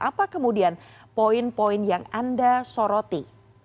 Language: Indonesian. apa kemudian poin poin yang anda soroti